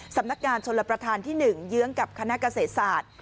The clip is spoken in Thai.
สำนักงานชนรับประทานที่๑เยื้องกับคณะเกษตรศาสตร์